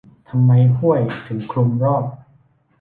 ทำไมห้วยถึงคลุมรอบ ?